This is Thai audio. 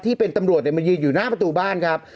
ที่เป็นตำรวจมายืนอยู่หน้าประตูบ้านครับ